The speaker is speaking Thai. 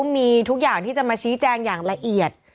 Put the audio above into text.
มีทุกอย่างที่จะมาชี้แจงอย่างละเอียด